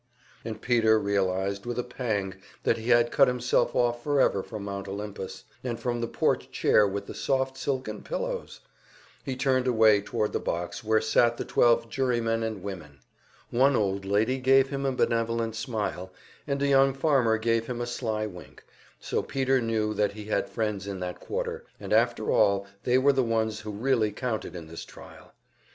And Peter realized with a pang that he had cut himself off forever from Mount Olympus, and from the porch chair with the soft silken pillows! He turned away toward the box where sat the twelve jurymen and women. One old lady gave him a benevolent smile, and a young farmer gave him a sly wink, so Peter knew that he had friends in that quarter and after all, they were the ones who really counted in this trial.